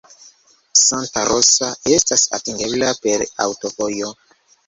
Santa Rosa estas atingebla per aŭtovojo.